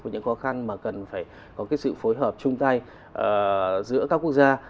và những khó khăn mà cần phải có cái sự phối hợp chung tay giữa các quốc gia